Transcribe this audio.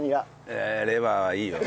えレバーはいいよ。